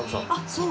そう。